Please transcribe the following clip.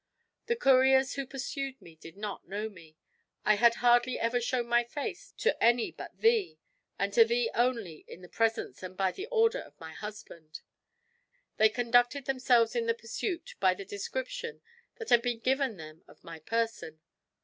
"The couriers who pursued me did not know me. I had hardly ever shown my face to any but thee, and to thee only in the presence and by the order of my husband. They conducted themselves in the pursuit by the description that had been given them of my person.